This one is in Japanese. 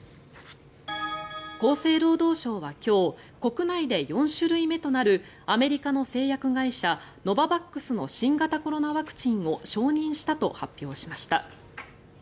厚生労働省は今日国内で４種類目となるアメリカの製薬会社ノババックスの新型コロナワクチンを承認したと発表しました。